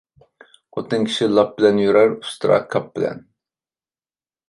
خوتۇن كىشى لاپ بىلەن يۈرەر، ئۇستىرا كاپ بىلەن.